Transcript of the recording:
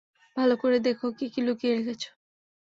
ভালো করে দেখো কী কী লুকিয়ে রেখেছে।